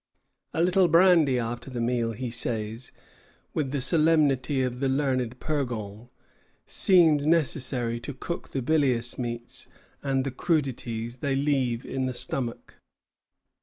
"A little brandy after the meal," he says, with the solemnity of the learned Purgon, "seems necessary to cook the bilious meats and the crudities they leave in the stomach."